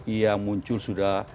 yang muncul sudah